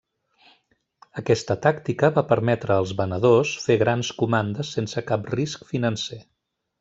Aquesta tàctica va permetre als venedors fer grans comandes sense cap risc financer.